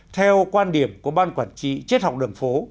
theo quan điểm của ban quản trị triết học đường phố